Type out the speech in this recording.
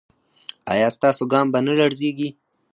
ایا ستاسو ګام به نه لړزیږي؟